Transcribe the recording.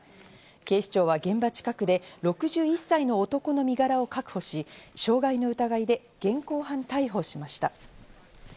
警視庁は現場近くで６１歳の男の身柄を確保し、傷害の疑いで現行犯逮捕しました。